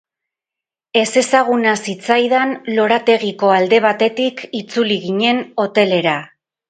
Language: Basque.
Ezezaguna zitzaidan lorategiko alde batetik itzuli ginen hotelera.